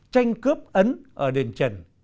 tranh cướp ấn ở đền trần